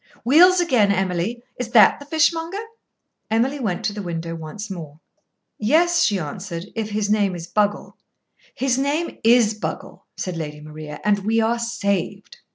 Wheels again, Emily. Is that the fishmonger?" Emily went to the window once more. "Yes," she answered, "if his name is Buggle." "His name is Buggle," said Lady Maria, "and we are saved."